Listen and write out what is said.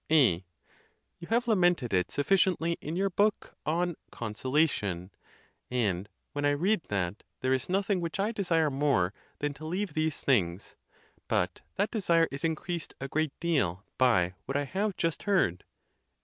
A, You have lamented it sufficiently in your book on Consolation ; and when I read that, there is nothing which I desire more than to leave these things; but that desire is increased a great deal by what I have just heard.